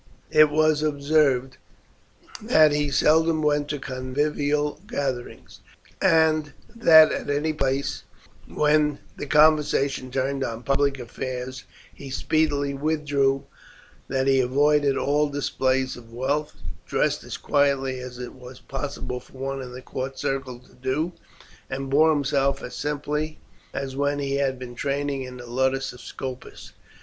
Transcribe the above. It was observed that he seldom went to convivial gatherings, and that at any place when the conversation turned on public affairs he speedily withdrew; that he avoided all display of wealth, dressed as quietly as it was possible for one in the court circle to do, and bore himself as simply as when he had been training in the ludus of Scopus.